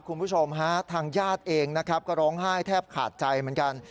คุณผู้ชมฮะทางญาติเองนะครับก็ร้องไห้แทบขาดใจเหมือนกัน